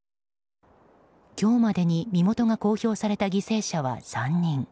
今日までに身元が公表された犠牲者は３人。